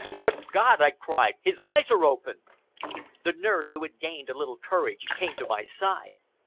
"Good God!" I cried, "his eyes are open!" The nurse, who had gained a little courage, came to my side.